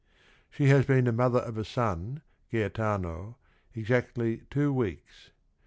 She has been the mother of a son, Gaetano . "exactly two weeks."